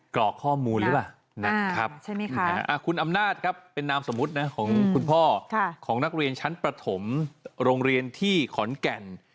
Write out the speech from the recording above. กรอกข้อมูลหรือเปล่านะครับคุณอำนาจครับเป็นนามสมมุตินะของคุณพ่อของนักเรียนชั้นประถมโรงเรียนที่ขอนแก่น